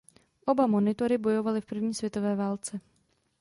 Oba monitory bojovaly v první světové válce.